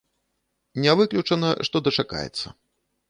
Не выключана, што дачакаецца.